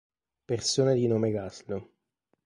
Persone di nome László